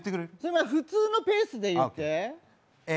普通のペースで言って。